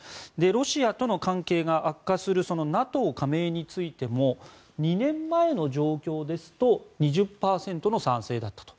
ロシアとの関係が悪化するＮＡＴＯ加盟についても２年前の状況ですと２０％の賛成だったと。